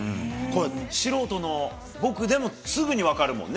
素人の僕でもすぐに分かるもんね。